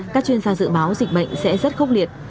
các chuyên gia dự báo dịch bệnh sẽ rất khốc liệt